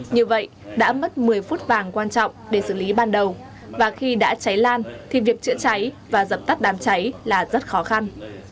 như vậy đã mất một mươi phút vàng quan trọng để xử lý ban đầu và khi đã cháy lan thì việc chữa cháy và dập tắt đám cháy là rất khó khăn